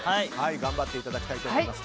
頑張っていただきたいと思います。